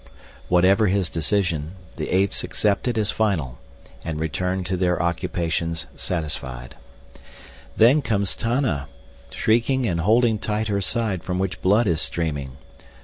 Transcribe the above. Whatever his decision, the apes accept it as final, and return to their occupations satisfied. Then comes Tana, shrieking and holding tight her side from which blood is streaming.